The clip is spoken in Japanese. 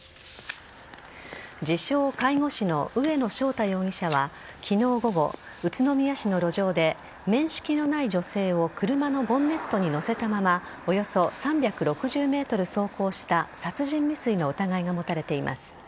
自称・介護士の上野翔太容疑者は昨日午後、宇都宮市の路上で面識のない女性を車のボンネットに乗せたままおよそ３６０ｍ走行した殺人未遂の疑いが持たれています。